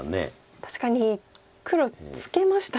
確かに黒ツケましたもんね。